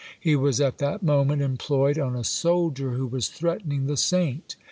He was at that moment employed on a soldier who was threatening the saint.